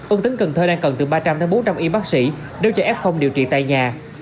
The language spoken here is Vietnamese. ông tính cần thơ đang cần từ ba trăm linh bốn trăm linh y bác sĩ nếu cho f điều trị tại nhà